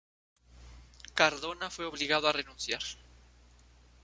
Cardona fue obligado a renunciar.